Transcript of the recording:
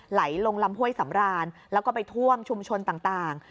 ไหลลงลำห้วยสำรานแล้วก็ไปท่วมชุมชนต่าง